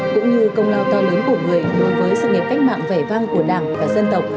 cũng như công lao to lớn của người đối với sự nghiệp cách mạng vẻ vang của đảng và dân tộc